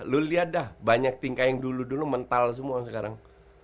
lu lihat dah banyak tingkah yang dulu dulu mental semua sekarang